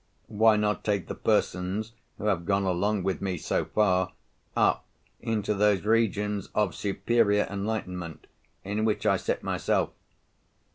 Why not take the persons who have gone along with me, so far, up into those regions of superior enlightenment in which I sit myself?